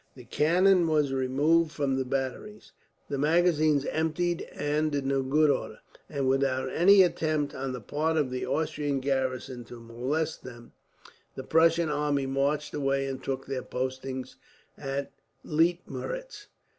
The cannon were removed from the batteries, the magazines emptied; and in good order, and without any attempt on the part of the Austrian garrison to molest them, the Prussian army marched away and took up their post at Leitmeritz.